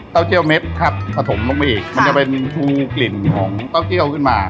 เจี่ยวเม็ดครับผสมลงไปอีกมันจะเป็นชูกลิ่นของเต้าเจี่ยวขึ้นมา